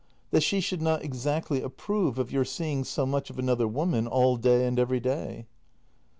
That she should not exactly approve of your seeing so much of another woman, all day and every day.